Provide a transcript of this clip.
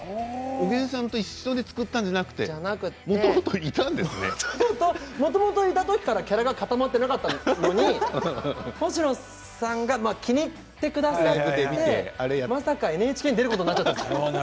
「おげんさん」で作ったキャラクターじゃなくてもともといた時からキャラが固まってなかったのに星野さんが気に入ってくださってまさかＮＨＫに出ることになっちゃったんです。